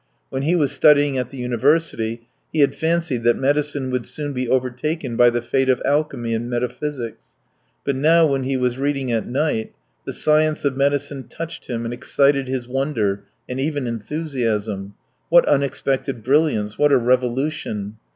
When he was studying at the university he had fancied that medicine would soon be overtaken by the fate of alchemy and metaphysics; but now when he was reading at night the science of medicine touched him and excited his wonder, and even enthusiasm. What unexpected brilliance, what a revolution!